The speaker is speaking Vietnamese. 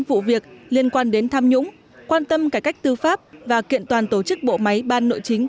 vụ việc liên quan đến tham nhũng quan tâm cải cách tư pháp và kiện toàn tổ chức bộ máy ban nội chính